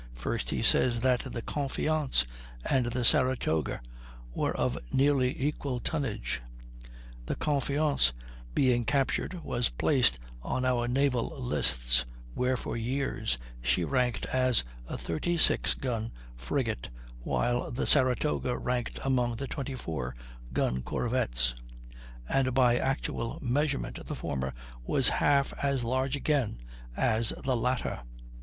First, he says that the Confiance and the Saratoga were of nearly equal tonnage. The Confiance being captured was placed on our naval lists, where for years she ranked as a 36 gun frigate, while the Saratoga ranked among the 24 gun corvettes; and by actual measurement the former was half as large again as the latter.